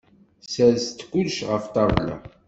Sers-d kullec ɣef ṭṭabla!